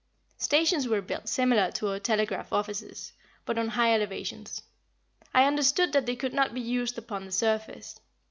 Stations were built similar to our telegraph offices, but on high elevations. I understood that they could not be used upon the surface.